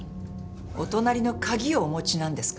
お隣の鍵をお持ちなんですか？